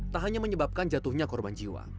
tak hanya menyebabkan jatuhnya korban jiwa